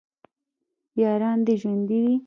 یاران دې ژوندي وي